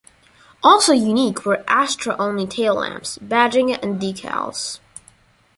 Also unique were Astra-only tail lamps, badging and decals.